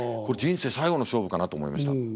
これ人生最後の勝負かなと思いました。